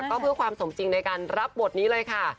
ก็เพื่อความสมจริงในการรับบทนี้เลยค่ะ